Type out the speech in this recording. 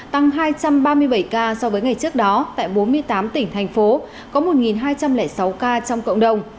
tăng hai trăm ba mươi bảy ca so với ngày trước đó tại bốn mươi tám tỉnh thành phố có một hai trăm linh sáu ca trong cộng đồng